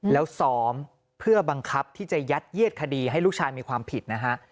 แล้วซ้อมเพื่อบังคับที่จะยัดเยียดคดีให้ลูกชายมีความผิดนะฮะ